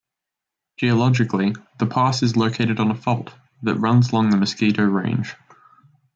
Geologically, the pass is located on a fault that runs along the Mosquito Range.